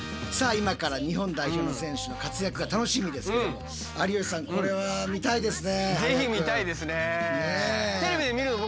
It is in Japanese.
今から日本代表の選手の活躍が楽しみですけども有吉さんこれは見たいですね。